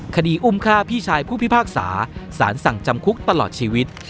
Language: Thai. คดีอุ้มฆ่าพี่ชายผู้พิพากษาสารสั่งจำคุกตลอดชีวิต